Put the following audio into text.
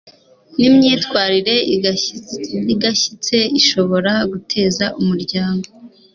n'imyitwarire igayitse ishobora guteza umuryango